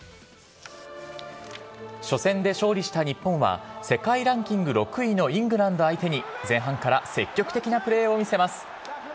初戦で勝利した日本は、世界ランキング６位のイングランド相手に、前半から積極的なプレーを見せます。